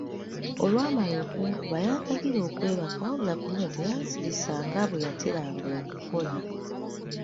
Olwamala okunkuba n'andagira okwebaka wabula ku luno teyansirisa nga bwe yateranga okukola.